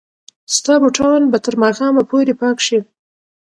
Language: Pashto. ستا بوټان به تر ماښامه پورې پاک شي.